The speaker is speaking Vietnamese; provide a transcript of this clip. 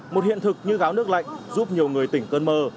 một hiện thực như gáo nước lạnh giúp nhiều người tỉnh cơn mơ